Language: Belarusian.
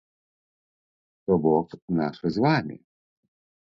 То бок, нашы з вамі.